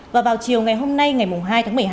và vào chiều ngày hôm nay ngày hai tháng một mươi hai